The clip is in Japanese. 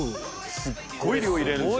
すっごい量入れるんすね。